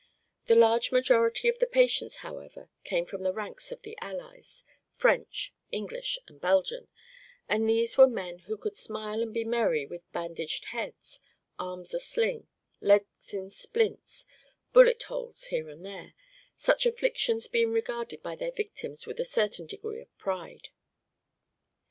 The large majority of the patients, however, came from the ranks of the Allies French, English and Belgian and these were men who could smile and be merry with bandaged heads, arms a sling, legs in splints, bullet holes here and there, such afflictions being regarded by their victims with a certain degree of pride.